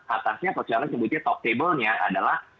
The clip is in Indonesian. atasnya coach alan sebutnya talk table nya adalah